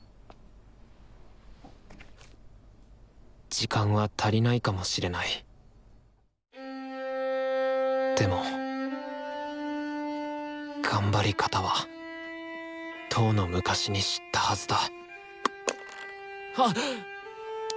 時間は足りないかもしれないでも頑張り方はとうの昔に知ったはずだはっ！